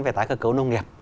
về tái cơ cấu nông nghiệp